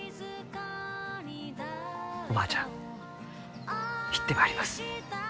おばあちゃん行ってまいります。